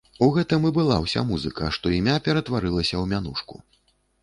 У гэтым і была ўся музыка, што імя ператварылася ў мянушку.